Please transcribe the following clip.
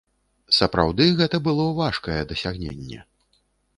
Сапраўды гэта было важкае дасягненне.